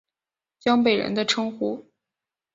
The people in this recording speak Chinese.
江北人的称呼。